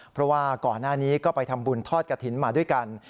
เพราะว่าก่อนหน้านี้ก็ไปทำบุญทอดกระถิ่นมาด้วยกัน